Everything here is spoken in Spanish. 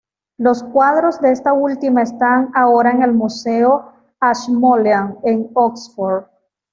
Los cuadros de esta última están ahora en el Museo Ashmolean en Oxford.